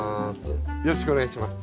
よろしくお願いします。